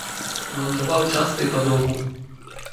Вандраваў часта і падоўгу.